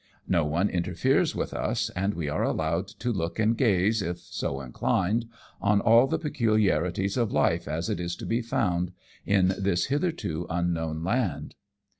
No one interferes with us, and we are allowed to look and gaze, if so inclined, on all the peculiarities of life as it is to be found in this hitherto unknown land.